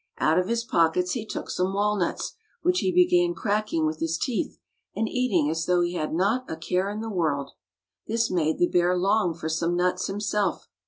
Out of his pockets he took some walnuts which he began cracking with his teeth and eating as though he had not a care in the world. This made the bear long for some nuts himself.